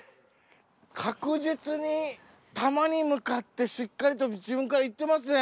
かくじつに球に向かってしっかりと自分から行ってますね。